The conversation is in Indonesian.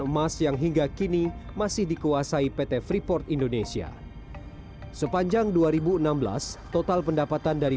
emas yang hingga kini masih dikuasai pt freeport indonesia sepanjang dua ribu enam belas total pendapatan dari